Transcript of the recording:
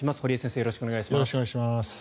よろしくお願いします。